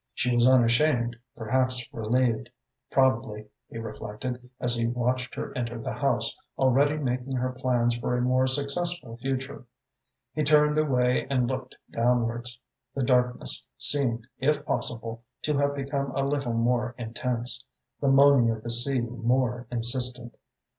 She was unashamed, perhaps relieved, probably, he reflected, as he watched her enter the house, already making her plans for a more successful future. He turned away and looked downwards. The darkness seemed, if possible, to have become a little more intense, the moaning of the sea more insistent.